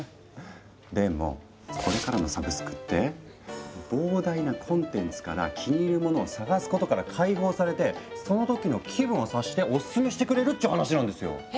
でもこれからのサブスクって膨大なコンテンツから気に入るものを探すことから解放されてその時の気分を察してオススメしてくれるって話なんですよ。え？